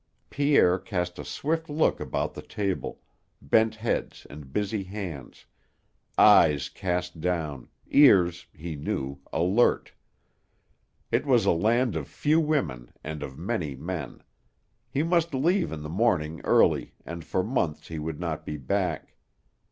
Pierre cast a swift look about the table bent heads and busy hands, eyes cast down, ears, he knew, alert. It was a land of few women and of many men. He must leave in the morning early and for months he would not be back.